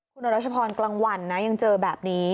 คุณอรัชพรกลางวันนะยังเจอแบบนี้